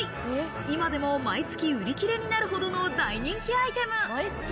今でも毎月売り切れになるほどの大人気アイテム。